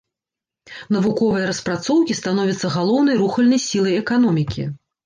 Навуковыя распрацоўкі становяцца галоўнай рухальнай сілай эканомікі.